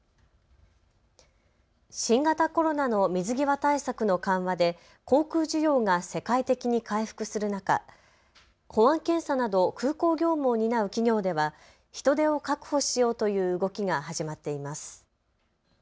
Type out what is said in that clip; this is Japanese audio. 新型コロナの水際対策の緩和で航空需要が世界的に回復する中、保安検査など空港業務を担う企業では人手を確保しようという動きが始まっています。